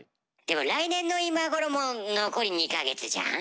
でも来年の今頃も残り２か月じゃん？